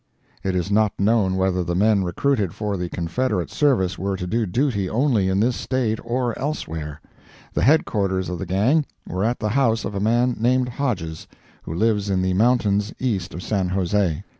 It is not known whether the men recruited for the Confederate service were to do duty only in this State, or elsewhere. The headquarters of the gang were at the house of a man named Hodges, who lives in the mountains east of San Jose.